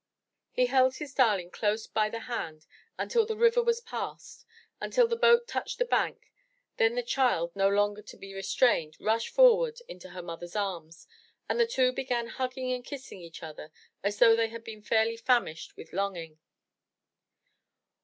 He held his darling close by the hand until the river was passed, until the boat touched the bank, then the child, no longer to be restrained, rushed forward into her mother's arms, and the two began hugging and kissing each other as though they had been fairly famished with longing.